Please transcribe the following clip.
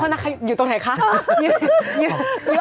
อยู่ตรงไหนคะ